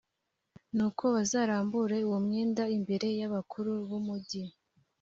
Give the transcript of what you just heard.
nuko bazarambure uwo mwenda imbere y’abakuru b’umugi.